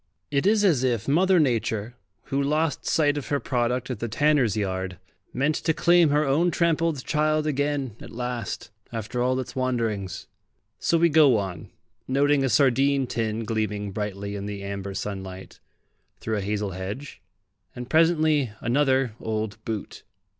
It is as if Mother Nature, who lost sight of her product at the tanner's yard, meant to claim her own trampled child again at last, after all its wanderings. So we go on, noting a sardine tin gleaming brightly in the amber sunlight, through a hazel hedge, and presently another old boot.